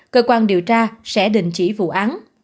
cơ quan điều tra sẽ đình chỉ vụ án